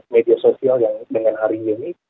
media sosial yang dengan hari ini